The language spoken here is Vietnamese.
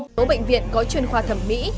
một số bệnh viện có chuyên khoa thẩm mỹ